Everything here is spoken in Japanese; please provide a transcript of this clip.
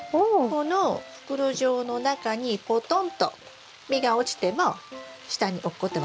この袋状の中にポトンと実が落ちても下に落っこって割れることがありません。